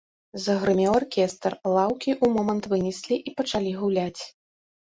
Загрымеў аркестр, лаўкі ў момант вынеслі і пачалі гуляць.